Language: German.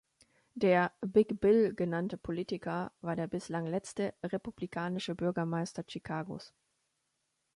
Der "Big Bill" genannte Politiker war der bislang letzte republikanische Bürgermeister Chicagos.